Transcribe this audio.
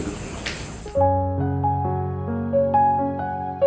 aku mau ngapain disini